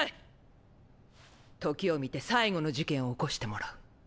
時を見て最後の事件を起こしてもらう。